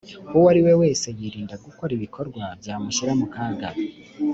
uwo ari we wese yirinde gukora ibikorwa byamushyira mu kaga